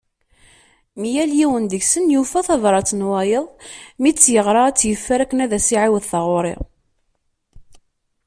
Mi yal yiwen deg-sen yufa tbarat n wayeḍ, mi tt-yeɣra a tt-yeffer, akken ad as-iɛiwed taɣuri.